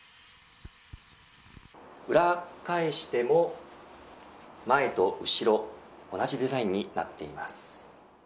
裏返しても前と後ろ同じデザインになっています。